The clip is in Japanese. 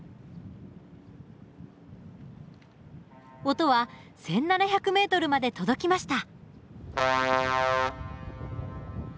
音は１，７００ｍまで届きました。